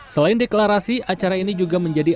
selain deklarasi acara ini juga menjadi